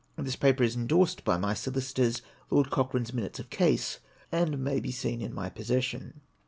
This paper is indorsed by my solicitors, " Lord Cochrane's Minutes of Case," and may be seen in my possession.